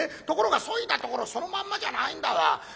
ところがそいだところそのまんまじゃないんだわ。